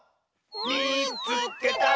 「みいつけた！」。